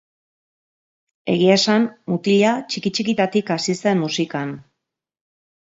Egia esan, mutila txiki-txikitatik hasi zen musikan.